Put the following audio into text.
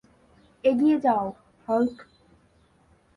এগিয়ে যাও, হাল্ক!